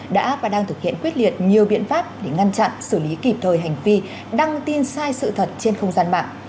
đã và đang thực hiện quyết liệt nhiều biện pháp để ngăn chặn xử lý kịp thời hành vi đăng tin sai sự thật trên không gian mạng